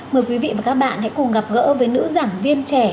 mời quý vị và các bạn hãy cùng gặp gỡ với nữ giảng viên trẻ